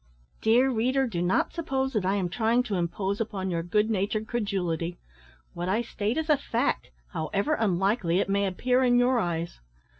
Dear reader, do not suppose that I am trying to impose upon your good natured credulity. What I state is a fact, however unlikely it may appear in your eyes.